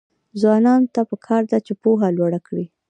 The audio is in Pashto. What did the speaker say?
ځوانانو ته پکار ده چې، پوهه لوړه کړي.